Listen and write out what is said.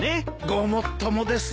ごもっともです。